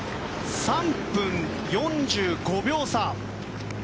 ３分４５秒差。